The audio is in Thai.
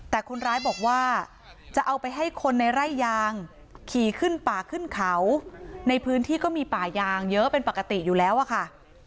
แต่คนร้ายบอกว่าจะเอาไปให้คนในไร่ยางขี่ขึ้นป่าขึ้นเขาในพื้นที่ก็มีป่ายางเยอะเป็นปกติอยู่แล้วอะค่ะ